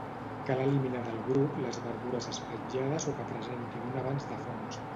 Cal eliminar del grup les verdures espatllades o que presentin un avanç de fongs.